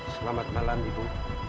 selamat malam ibu